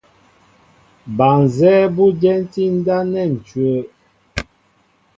Ba nzɛ́ɛ́ bó ú dyɛntí ndáp nɛ́ ǹcʉ́wə́.